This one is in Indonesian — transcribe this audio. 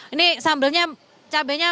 ini sambelnya cabenya